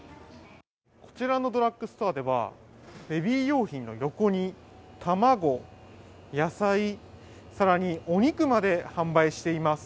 ちらのドラッグストアでは、ベビー用品の横に卵、野菜、更にお肉まで販売しています。